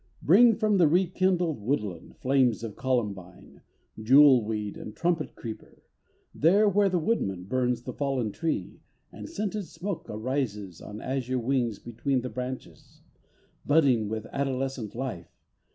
Bring from the re kindled woodland Flames of columbine, jewel weed and trumpet creeper, There where the woodman burns the fallen tree, And scented smoke arises On azure wings between the branches, Budding with adolescent life.